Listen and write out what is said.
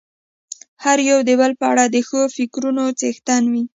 هر يو د بل په اړه د ښو فکرونو څښتن وي.